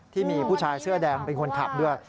ที่มีผู้ชายเสื้อแดงเป็นคนขับด้วย